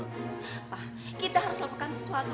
apa kita harus lakukan sesuatu